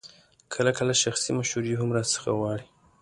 کله کله شخصي مشورې هم راڅخه غواړي.